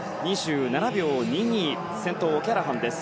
２７秒２２先頭、オキャラハンです。